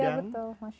iya betul masya allah